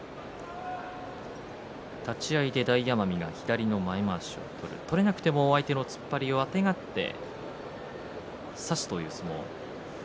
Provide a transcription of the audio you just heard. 立ち合いで大奄美が左の前まわしを取れなくても相手の突っ張りをあてがって差すという相撲。